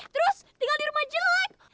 terus tinggal di rumah jelek